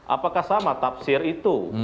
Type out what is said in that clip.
apakah sama tafsir itu